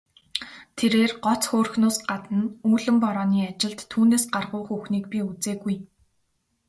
Тэрээр гоц хөөрхнөөс гадна үүлэн борооны ажилд түүнээс гаргуу хүүхнийг би үзээгүй.